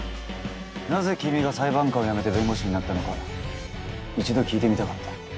なぜ君が裁判官を辞めて弁護士になったのか一度聞いてみたかった。